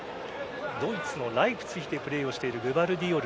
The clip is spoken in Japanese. ドイツのライプツィヒでプレーをしているグヴァルディオル。